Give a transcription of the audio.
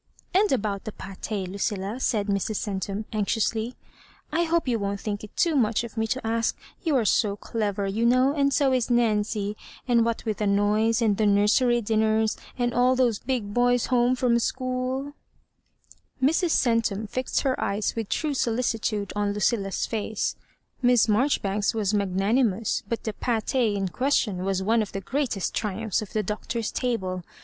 "And about the jni^ Lucilla," said Mrs. Centum, anxiously, " I hope you won't think it too much of me to ask ;— ^you are so clever, you know, and BO is Nancy : and what with the noise, and the nursery dinners, and all those big boys home from school " Mrs. Centum fixed her eyes with true solicitude on Lucilla^s face. Miss Marjoribanks was magna nimous, but the pcUe in question was one of the greatest triumphs of the Doctor's table.